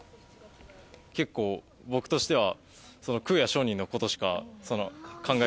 結構僕としては。